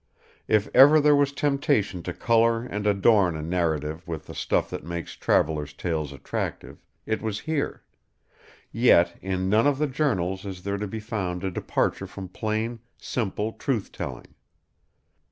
If ever there was temptation to color and adorn a narrative with the stuff that makes travelers' tales attractive, it was here; yet in none of the journals is there to be found a departure from plain, simple truth telling.